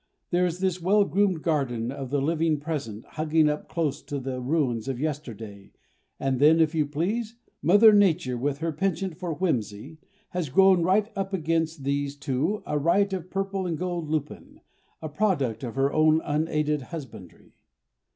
There is this well groomed garden of the living present hugging up close to the ruins of yesterday and then, if you please, Mother Nature, with her penchant for whimsy, has grown right up against these two a riot of purple and gold lupine, a product of her own unaided husbandry.